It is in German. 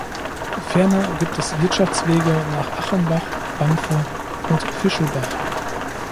Ferner gibt es Wirtschaftswege nach Achenbach, Banfe und Fischelbach.